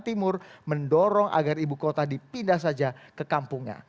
timur mendorong agar ibu kota dipindah saja ke kampungnya